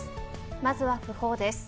まずは訃報です。